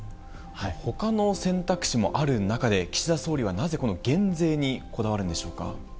ほかの選択肢もある中で、岸田総理はなぜこの減税にこだわるんでしょうか。